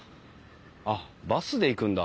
あっバスで行くんだ。